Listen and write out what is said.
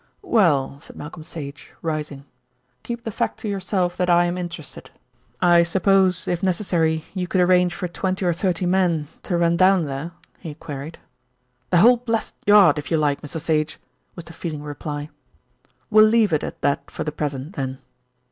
"Well," said Malcolm Sage rising, "keep the fact to yourself that I am interested. I suppose, if necessary, you could arrange for twenty or thirty men to run down there?" he queried. "The whole blessed Yard if you like, Mr. Sage," was the feeling reply. "We'll leave it at that for the present then.